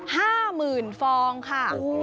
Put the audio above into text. ๕หมื่นฟองค่ะ